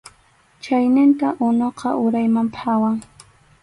Chayninta unuqa urayman phawan.